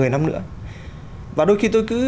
một mươi năm nữa và đôi khi tôi cứ